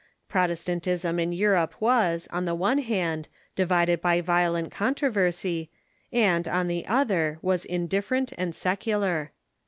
Protestantism in Europe was, on the one hand, divided by violent controversy, and, on the other, was indifferent and secular.